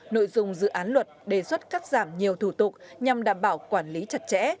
nội dung dự án luật đề xuất cắt giảm nhiều thủ tục nhằm đảm bảo quản lý chặt chẽ